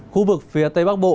khu vực phía tây bắc bộ